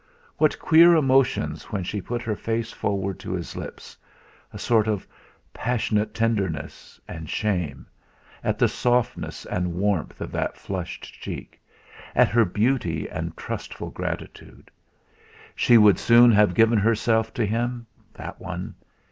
What queer emotion when she put her face forward to his lips a sort of passionate tenderness and shame, at the softness and warmth of that flushed cheek, at her beauty and trustful gratitude. She would soon have given herself to him that one!